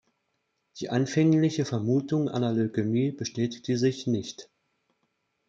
Die anfängliche Vermutung einer Leukämie bestätigte sich nicht.